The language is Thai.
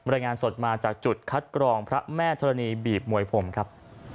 รายงานสดมาจากจุดคัดกรองพระแม่ธรณีบีบมวยผมครับ